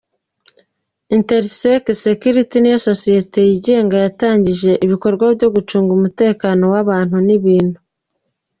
Intersec Security niyo sosiyete yigenga yatangije ibikorwa byo gucunga umutekano w’abantu n’ibintu.